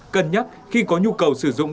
cân nhắc khi có nhu cầu sử dụng